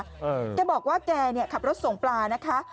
แกบอกว่าแกเนี่ยขับรถส่งปลานะคะ